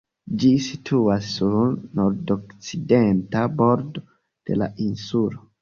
Ĝi situas sur nordokcidenta bordo de la insulo.